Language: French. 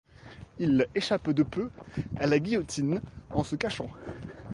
Il échappe de peu à la guillotine en se cachant.